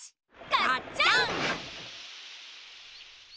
がっちゃん！